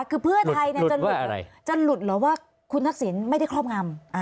คือเพื่อไทยจะหลุดเหรอว่าคุณทักษิณไม่ได้ครอบงำ